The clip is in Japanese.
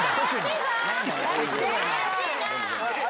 怪しいな。